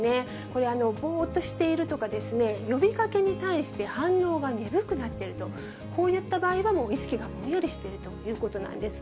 これ、ぼーっとしているとか、呼びかけに対して反応が鈍くなっていると、こういった場合はもう意識がぼんやりしているということなんです。